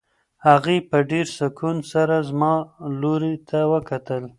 هغې په ډېر سکون سره زما لوري ته وکتل.